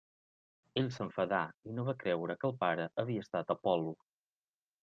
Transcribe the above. Ell s'enfadà, i no va creure que el pare havia estat Apol·lo.